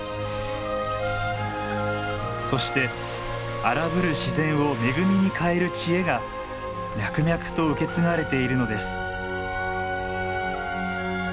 そして荒ぶる自然を恵みに変える知恵が脈々と受け継がれているのです。